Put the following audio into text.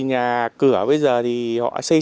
nhà cửa bây giờ thì họ xây